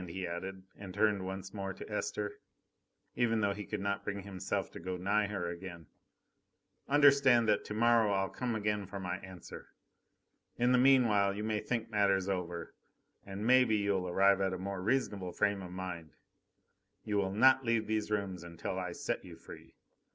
he added, and turned once more to Esther, even though he could not bring himself to go nigh her again. "Understand that to morrow I'll come again for my answer. In the meanwhile, you may think matters over, and, maybe, you'll arrive at a more reasonable frame of mind. You will not leave these rooms until I set you free.